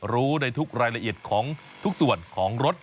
รู้ในทุกรายละเอียดของทุกส่วนของรถ